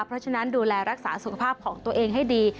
เพราะฉะนั้นดูแลรักษาสุขภาพของตัวเองให้ดี